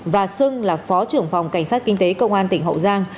và xưng là phó trưởng phòng cảnh sát kinh tế công an tỉnh hậu giang